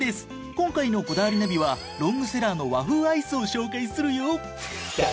今回の『こだわりナビ』はロングセラーの和風アイスを紹介するよ！